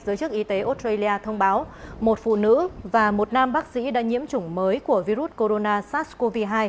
australia thông báo một phụ nữ và một nam bác sĩ đã nhiễm chủng mới của virus corona sars cov hai